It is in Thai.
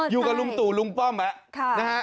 อยู่กับลุงตู่ลุงป้อมแล้วนะฮะ